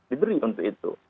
diberi untuk itu